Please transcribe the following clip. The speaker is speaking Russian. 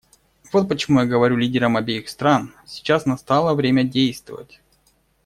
Вот почему я говорю лидерам обеих сторон: сейчас настало время действовать.